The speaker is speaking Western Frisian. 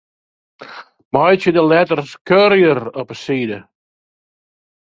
Meitsje de letters Courier op 'e side.